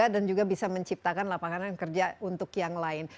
dan juga bisa menciptakan lapangan kerja untuk yang lain